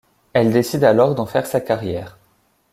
Elle décide alors d'en faire sa carrière.